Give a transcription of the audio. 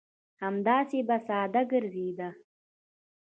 همداسې به ساده ګرځېده.